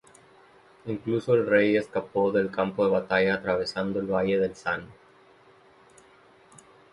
Incluso el rey escapó del campo de batalla atravesando el valle del San.